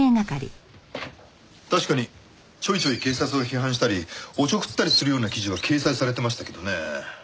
確かにちょいちょい警察を批判したりおちょくったりするような記事は掲載されてましたけどね。